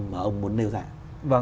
mà ông muốn nêu ra